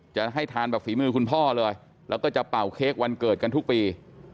จะให้ทานแบบฝีมือคุณพ่อเลยแล้วก็จะเป่าเค้กวันเกิดกันทุกปี